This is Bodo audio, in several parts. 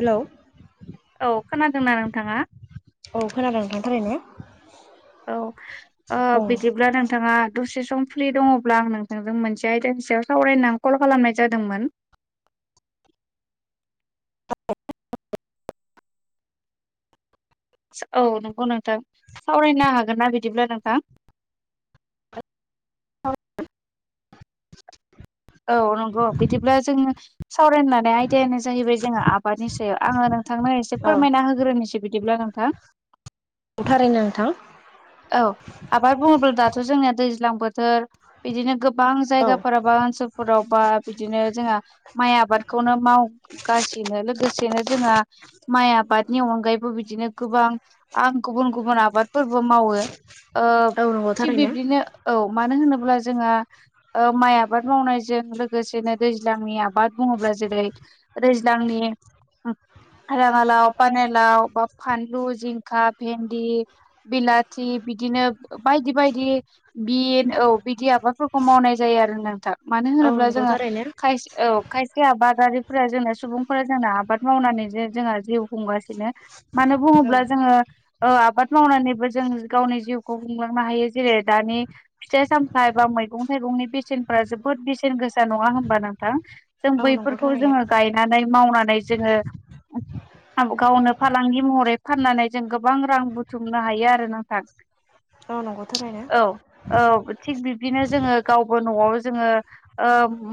हेल' औ औ खोनादोंना नोंथाङा खोनादों नोंथां थारैनो औ बिदिब्ला नोंथाङा दसे सम? फ्रि दङब्ला आं नोंथांजों मोनसे आयदानि सायाव सावरायनो कल खालामनाय जादोंमोन। [inaudible] औ नोंगौ नोंथां सावरायनो हागोन ना बिदिब्ला नोंथां। [inaudible] औ। औ नंगौ बिदिब्ला जोङो। सावरायनो आयदायानो जाहैबाय जोंहा आबादनि सायाव आङो नोंथांनो एसे औ फोरमायना होग्रोनोसै बिदिब्ला नोंथां। [inaudible] थारैनो नोंथां। औ आबाद बुङोब्ला दाथ' जोंनिया दैज्लां बोथोर बिदिनो। गोबां औ जायगाफोराव बा ओनसोलफोराव बा बिदिनो जोंहा माइ आबादखौनो मावगासिनो। लोगोसे नो जोंहा माइ आबादनि अनगायैबो बिदिनो गोबां आं गुबुन गुबुन आबादफोर। मावो औ नंगौ थिग थारैनो बिबदिनो औ मानो होनोब्ला। अब्ला जोङो माइ आबाद मावनायजों लोगोसेनो दैज्लांनि आ बाद बुङोब्ला जेरै दैज्लांनि। राङालााव पाने लाव बा फानलु जिंखा भेन्दि। बिलाथि बिदिनो बायदि बायदि बिन औ बिदि। आबादफोरखौ मावनाय जायो आरो नोंथां मानो औ होनोब्ला नंगौ जोङो थारैनो खाय औ खायसे आबादारिफोरा जोंना सुबुं फोरा जोंना आबाद मावनानै जे जोंहा जिउ खुंगासिनो मानो औ बुङोब्ला जोङो आबाद मावनानै। जों गावनि जिउखौ खुंलांनो हायो जेरै दानि फिथाइ सामथाइ एबा मैगं थाइगंनि बेसेनफोरा जोबोद बे सेन गोसा नङा होनोमबा नोंथां जों औ नंगौ बैफोरखौ थारैनो जोङो गायनानै मावनानै जोङो। गावनो फालांगि महरै फाननानै जों गोबां रां बुथुमनो हायो आरो नोंथां। औ नंगौ थारैनो औ औ थिग बिदिनो जोङो गावबो न'आव। जो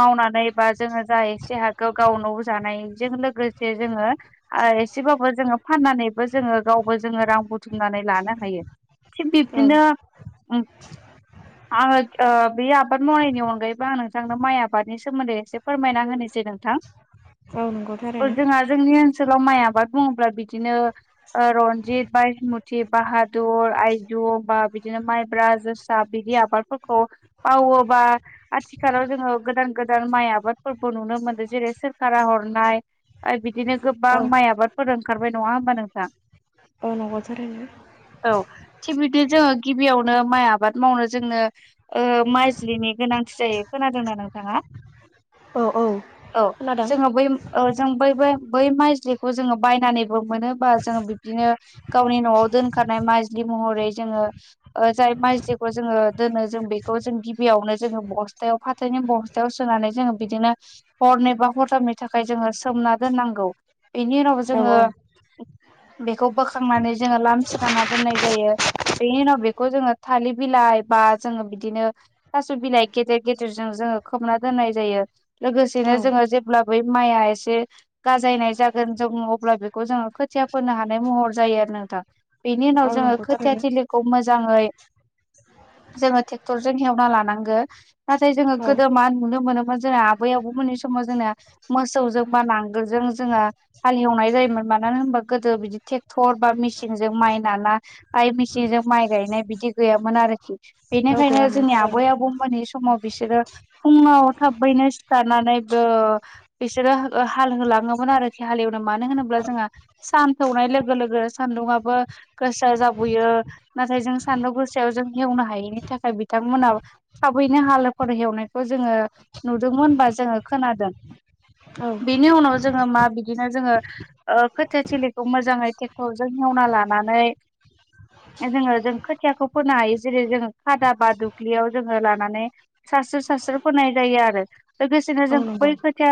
मावनानै बा जोङो जसे हाखौ गावनो। जानायजों लोगोसे जोङो एसेबाबो जोङो फाननानैबो जोङो गावबो जोङो रां। बुथुमनानै लानो हायो थिग औ बिब्दिनो। आङो बे आबाद मावनायनि अनगायैबो नों थांनो माइ आबादनि सोमोन्दै एसे फोरमायना होनोसै नोंथां। थ' औ नंगौ थारैनो जोंहा ओनसो लाव माइ आबाद बुङोब्ला बिदिनो रनजित बायसमु। ति बाहादुर आइजं बा बिदिनो माइब्रा जोसा बिदि आबादफोरखौ माव वोबा आथिखालाव जोङो गोदान गोदान माइ आबादफोरबो नुनो मोनो जेरै सोरखारा हरनाय। बिदिनो गोबां औ माइ आबादफोर ओंखारबाय नङा होमबा नोंथां। औ नांगौ थारैनो। औ थिग बिदि जोङो गिबियावनो माइ आबाद मावनो जोङो माइजलिनि गोनांथि जायो‌। खोनादोंना नोंथाङा औ औ औ खोनादों जोङो बै जों बै बै माइलिखौ जोङो बायनानैबो मोनोबा जों बिदिनो गावनि न'आव दोनखनाय माइज्लि महरै जोङो जाय माइज्लिखौ जोङो दोनो जों बेखौ जों गिबियावनो जोङो बस्थायाव फाथथायनि बस्थायाव सोनानै जोङो बिदिनो हरनि बा हरथामनि थाखाय जोङो सोमना दोनांगौ बिनि उनाव औ जोङो औ बेखौ बोखांनानै जोङो लाम स्रोना दोननाय जायो बेनि उनाव बेखौ जोङो थालिर बिलाइ बा जोङो बिदिनो थास' बिलाइ गेदेर गेदेरजों जों ओ खोबना दोननाय जायो औ लोगोसेनो जोङो जेब्ला ब माइआ एसे गाजायनाय जोन जों अब्ला बेखौ जोङो खोथिया फोनो हानाय महर जायो आरो नों थां बेनि उनाव औ जोङो नंगौ थारैनो खोथियाथिलिखौ मोजाङै जोङो ट्रेक्टर जों हेवना लानांगो नाथाय जोङो औ गोदो मा नुनो मोनोमोन जोहो आबै आबौमोननि सम माव जोङो मोसौजों बा नांगोलजों जोङो हालेवनाय जायोमोन मानो होनबा गोदो बिदि ट्रेक्टर बा मेसिनजों माइ नाना फ्राय मेसिनजों माइ गायनाय बिदि गैयामोन आरोखि औ बेनिखायनो गैयामोन जोंनि थारैनो आबै आबौमोननि समाव बिसोरो फुङाव थाबैनो सिखारनानै ओ बिसोरो हाल होलाङो मोन आरो मानो होनोब जों सान सौनाय लोगो लोगो सान्दुङाबो गोसा जाबोयो नाथाय जों सान्दुं गोसायाव जों एवनो हायैनि थाखाय बिथां मोना थाबैनो हालोखर हेवनायखौ जोङो नुदोंमोन बा जोङो खोनादों औ बेनि उनाव जोङो मा बिदिनो जोङो ओ खोथिया थिलिखौ मोजाङै टे क्टर जों एवना लानानै जोङो जों खोथियाखौ फोनो हायो जेरै जोङो खादा बा दुब्लियाव जोङो लानानै सारस्रो सारस्रो फोनाय जायो आरो लोगोसेनो औ जों नंगौ बै खोथिया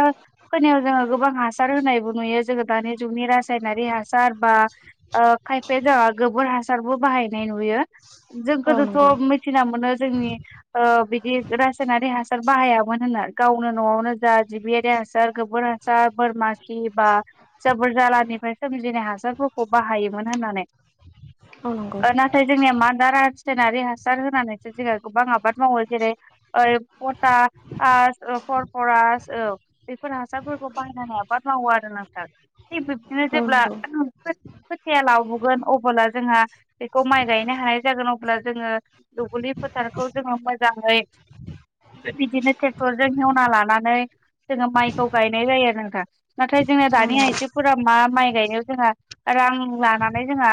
फोनायाव जोङो गोबां हासार होनायबो नुयो जोङो दानि जुगनि रासायनारि हासार बा ओ खायफाया जाबा गोबोर हासारबो बाहायनाय नुयो जों औ नंगौ गोदोथ' मिथिना मोनो जोंनि ओ बिदि रासायनारि हासार बाहायामोन होनना गावनो न'आवनो जा जिबियारि हासार गोबोर हासार बोरमाखि बा जाबोर जालानिफ्राय सोमजिनाय हासारफोरखौ खौ बाहायोमोन होननानै औ नंगौ नाथाय जोंनिया मा दा रासायनारि हासार होनानैसो जोङो गोबां आबाद मावो जेरै पटास आ परफरास औ बेफोर हासारफोरखौ बायनानै आबाद मावो आरो ना नंगौ नोंथां थिग बिब्दिनो औ जेब्ला नंगौ खोथिया लावबोगोन अब्ला जोंहा बेखौ माइ गायनो हानाय जागोन अब्ला जोङो दुब्लि फोथारखौ जोङो मोजाङै बिदिनो ट्रेक्टरजों हेवना लानानै जोङो माइखौ गायनाय जायो आरो नोंथां नाथाय जोङो औ दानि नंगौ आइजोफोरा मा माइ गायनायाव जोंहा रां लानानै जोंहा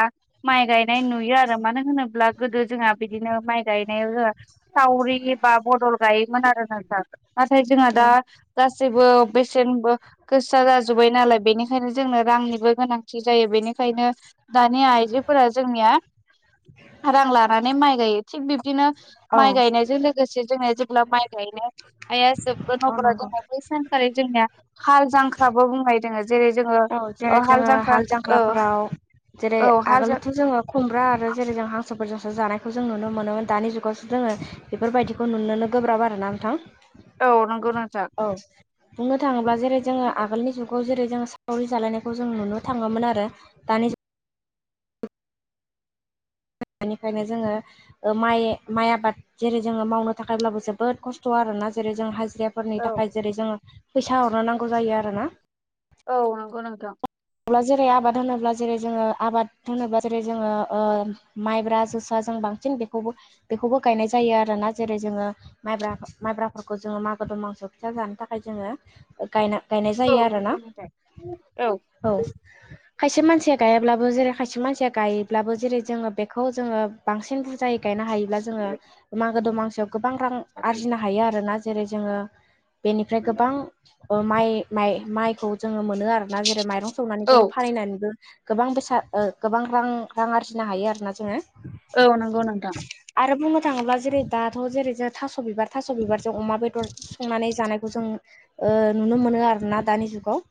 माइ गायनाय नुयो आरो मानो होनोब्ला गोदो जोंहा बिदिनो माइ गायनाय जोङा सावरि बा बदल गायोमोन आरो नों नाथाय जोंहा दा औ गासैबो बेसेन गोसा जाजोबबाय नालाय बेनिखायनो जोंनो रांनिबो गोनांथि जायो बेनिखायनो दानि आइजोफोरा जोंनिया रां लानानै माइ गायो थिग बि बिदिनो औ माइ गायनायजों लोगोसे जोंङो जेब्ला माइ गायनाया जोब गोन औ अब्ला नंगौ जोंनिया बै सानखारि जोंनिया हाल जांख्राबो बुंनाय दोङो जेरै जोङो ओ हाल जांख्रा औ फोराव जेरै औ हाल जां आगोलथ' जोङो खुमब्रा आरो जेरै जों हांसोफोरजोंसो जानायखौ जों नुनो मोनोमोन दानि जुगावसो जोङो बेफोरबायदिखौ नुनोनो गोब्राब आरोना नोंथां औ नंगौ नोंथां बुंनो थाङोब्ला जेरै जोङो आगोलनि जुगाव जेरै जों सावरि जालायनायखौ जों नुनो थाङोमोन आरो दानि निफ्रायनो जोङो ओ माइ माइ आबाद जेरै जोङो मावनो थाखायब्लाबो जोबोद खस्थ' आरो ना जेरै जों हाजिराफोरनि औ थाखाय जेरै जोङो फैसा हरनो नांगौ जायो आरोना औ नंगौ नोंथां अब्ला जेरै आबाद होनोब्ला जेरै जोङो आबाद होनोब्ला जेरै जोङो ओ माइब्रा जोसा जों बां बांसिन बेखौबो बेखौबो गायनाय जायो आरोना जेरै जोङो माइब्रा माइब्राफोरखौ जोङो मागो दमा मोसौ फिथा जानो थाखाय जोङो गायना गायनाय औ जायो आरोना नंगौ नोंथां औ औ खायसे मानसिया गायाब्लाबो जेरै खायसे मानसिया गायोब्लाबो जेरै जोङो बेखौ खौ जोङो बांसिन बुरजायै गायनो हायोब्ला जोङो मागो दमासि गोबां रां आरजिनो हायो आरोना जेरै जोङो बेनिफ्राय गोबां ओ माइ माइ माइखौ जोङो मोनो आरोना जेरै माइरं सौनानै औ जोङो फानहैनानैबो गोबां बेसाद ओ गोबां रां रां आरजिनो हायो आरोना जोङो औ नंगौ नोंथां आरो बुंनो थाङोब्ला जेरै दाथ' जेरै जों थास' बिबार थास' बिबारजों अमा बेदर संनानै जानायखौ जों ओ नुनो मोनो आरोना दानि जुगाव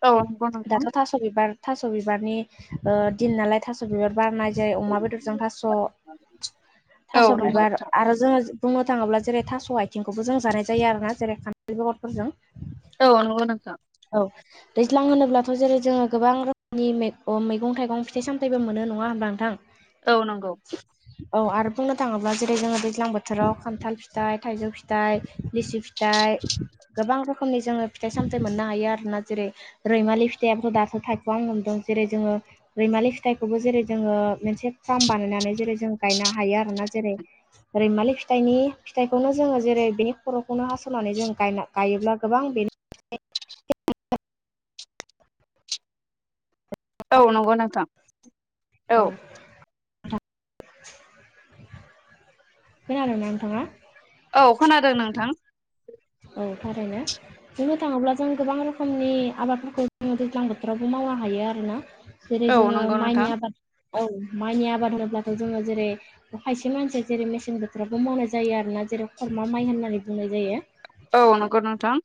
औ [unintelligible] दाथ' थास' बिबार थास' बिबारनि ओ दिन नालाय थास' बिबार बारनाय जेरै अमा बेदरजों थास' औ थास' नंगौ बिबार नोंथां आरो जोङो बुंनो थाङोब्ला जेरै थास' आथिंखौबो जों जानाय जायो आरोना जेरै खानथाल बेगरफोरजों औ नंगौ नोंथां औ दैज्लां होनोब्ला जेरै जोङो गोबां रोखोमनि मैगं थाइगं फिथाइ सामथायबो मोनो नङा होमबा नोंथां औ नंगौ औ आरो बुंनो थाङोब्ला जेरै जोङो दैज्लां बोथोराव खान्थाल फिथाइ थाइजौ फिथाइ लिसि फिथाइ गोबां रोखोमनि जोङो फिथाइ सामथाय मोननो हायो आरोना जेरै रैमालि फिथ फिथायाबोथ' दासो थायफुहांनो हमदों जेरै जोङो रैमालि फिथाइखौबो जेरै जोङो मोनसे फार्म बानायनानै जेरै जों गायनो हायो आरोना जेरै रैमालि फिथाइनि फिथाइखौनो जोङो जेरै बेनि खर'खौनो हास'नानै जों गायना गायो ब्ला गोबां बेनि [inaudible] औ नंगौ नोंथां औ [unintelligible] खोनादों ना नोंथाङा? औ खोनादों नोंथां औ थारैनो बुंनो थाङोब्ला जों गोबां रोखोमनि आबादफोरखौ जोङो दैज्लां बोथोरावबो मावो हायो आरोना जेरै औ जोङो नंगौ माइनि नोंथां आबाद औ माइनि आबाद होनोब्लाथ' जोङो जेरै खायसे मानसिया जेरै मेसें बोथोरावबो मावनाय जायो आरोना जेराव खरमा माइ होननानै बुंनाय जायो औ नंगौ नोंथां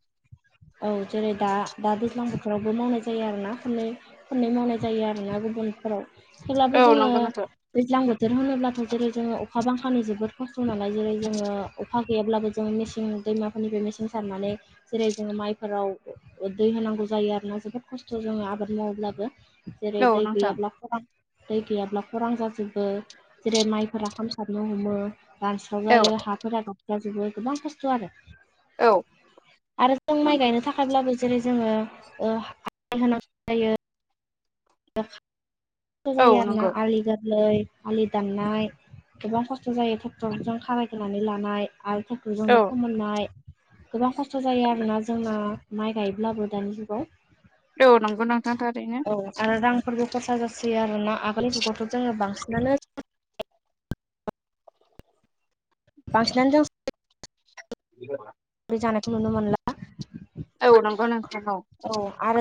औ जेरै दा दा दैज्लां बोथोरावबो मावनाय जायो आरोना खननै खननै मावनाय जायो आरोना ग बुनफोराव थेवब्लाबो औ जोङो नंगौ नोंथां दैज्लां बोथोर होनोब्लाथ' जेरै जोङो अखा बांखानि जोबोद खस्थ' नालाय जेरै जोङो अखा गैयाब्लाबो जोंङो मिसिं दैमाफोरनिफ्राय मिसिं सारनानै जेरै जोङो माइफोराव दै होनांगौ जायो आरोना जोबोद खस्थ' जोङो आबाद मावोब्लाबो जेरै औ दै नोंथां गैयाब्ला [unintelligible] दै गैयाब्ला खरां जाजोबो जेरै माइफोरा खामसारनो हमो दानस्राव औ जायो हाफोरा गाबस्राजोबो गोबां खस्थ' आरो औ आं माइ नंगौ गायनो थाखायब्लाबो जेरै जोङो ओ माइ होनांगौ जायो खस्थ' औ जायो आरोना नंगौ आलि गोर लै आलि दाननाय गोबां खस्थ' जायो ट्रेक्टरफोरजों खारायगोरनानै लानाय आरो औ टेकटरजोंनो फोमोननाय गोबां खस्थ' जायो आरोना जोंना माइ गाय ब्लाबो दानि जुगाव औ नंगौ नोंथां थारैनो। फोरबो खरसा जासोयो आरोना आगोल जुगावथ' जोङो बांसिनानो बांसिनानो [unintelligible] [unintelligible] सावरि जानायखौ नुनो मोनला औ नंगौ नोंथां औ।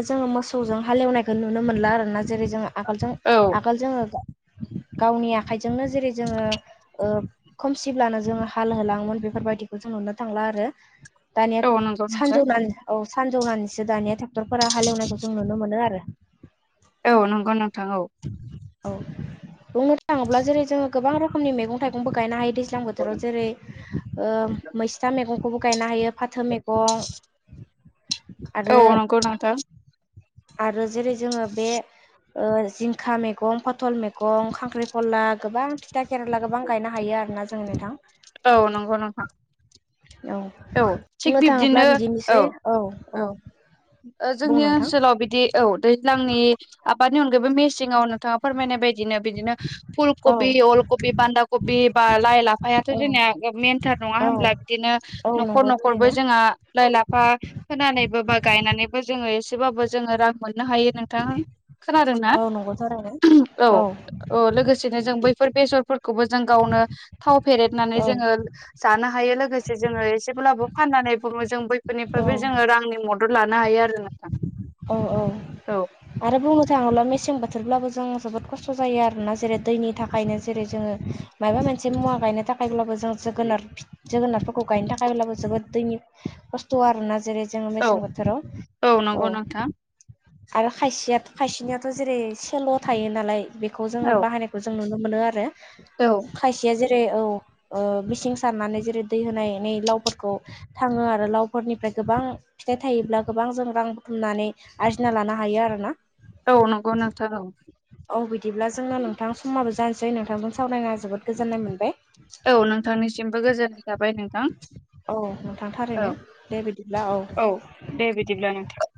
जोङो मोसौजों हालेवनायखौ नुनो मोनला आरोना जेरै जोङो आगोलजों औ आगोल जोङो [inaudible] गावनि आखाइजोंनो जेरै जोङो खोमसिब्लानो जोङो हाल होलाङोमोन बेफोरबायदिखौ जोङो नुनो थांला आरो दानिया औ नंगौ नोंथां सानजौनानो औ सानजौनानैसो दानिया ट्रेक्टरफोरा हालेवनायखौ जों नुनो मोनो आरो औ नंगौ नोंथां औ। औ बुंनो थाङोब्ला जेरै जोङो गोबां रोखोमनि मैगं थाइगंबो गायनो हायोदि दैज्लां बोथोराव जेरै मैस्था मैगंखौबो गायनो हायो फाथो मैगं आरो औ नंगौ नोंथां। आरो जेरै जोङो बे जिंखा मैगं पटल मैगं खांख्रिखला गोबां थिथा केरेला गोबां गायनो हायो। आरो ना जों नोंथां। औ नंगौ नोंथां। औ बुंनो थिग थाङोब्ला बिब्दिनो औ बिदिनोसै औ। बुं जोंनि नोंथां ओनसोलाव बिदि औ दैज्लांनि आबाद निगायैबो मेसिंआव नोंथाङा फोरमायनाय बायदि बिदिनो बिदिनो फुल औ कबि अलकबि बान्दा कबि बा लाइ लाफायाथ' औ जोंनिया मेनथार नङा औ होनब्ला बिदिनो औ न'खर नंगौ न'खरबो थारैनो जोंहा लाइ लाफा फोनानैबो बा गायनानै जोङो एसेबाबो जोङो रां मोननो हायो नोंथां खोना औ नंगौ थारैनो औ औ लोगोसेनो जों बैफोर इसफोरखौबो जों गावनो थाव फेरेदनानै औ जोङो जानो। हायो लोगोसे जोङो एसेब्लाबो फाननानै बुङो जों औ बैफोरनिफ्रायबो जोङो रांनि मदद लानो ना आरो नोंथां। औ औ औ आरो बुंनो थाङोब्ला मेसें बो शथोरब्लाबो जों जोबोद खस्थ' जायो आरोोना जेरै दैनि थाखायनो जेरै जोङो मायाबा मोनसे मुवा गायनो थाखाय ब्लाबो जों जोगोन जोगोनारफोरखौ गायनो थाखायब्लाबो जोबोद दैनि खस्थ' आरोना जेरै जोङो औ मेसें बोथोराव औ नंगौ नोंथां आरो खायसेया खायसेनियाथ' जेरै सेल' थायो नालाय बेखौ जोङो औ बाहायनायखौ जों नुनो मोनो आरो औ खायसेया जेरै जे औ ओ मिसिं सारनानै जेरै दै होनायनै लावफोरखौ थाङो आरो लावफोरनिफ्राय गोबां फिथाइ थायोब्ला गोबां जों रां बुथुमनानै आरजिना लानो हायो आरोना। औ नंगौ नोंथां औ औ बिदिब्ला जोङो नोंथां समाबो जानोसै नोंथांखौनो सावरायना जोबोद गोजोननाय मोनबाय। औ नोंथांनिसिमबो गोजोननाय थाबाय नोंथां। औ नोंथां औ थारैनो दे बिदिब्ला औ दे बिदिब्ला नोंथां।